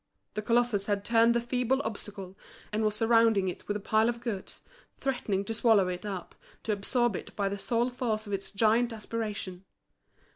The colossus had turned the feeble obstacle, and was surrounding it with a pile of goods, threatening to swallow it up, to absorb it by the sole force of its giant aspiration.